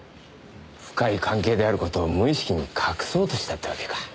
深い関係である事を無意識に隠そうとしたってわけか。